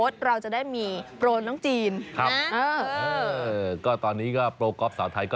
แต่ก็ไม่เป็นไรเชียร์ต่อไป